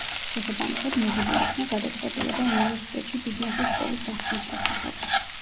შესაბამისად, მიღებულ იქნა გადაწყვეტილება უნივერსიტეტში ბიზნესის სკოლის გახსნის შესახებ.